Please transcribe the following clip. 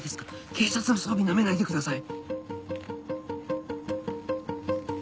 警察の装備ナメないでください。